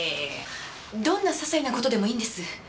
どんな些細なことでもいいんです！